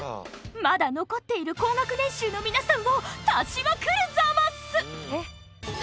まだ残っている高額年収の皆さんを足しまくるザマス！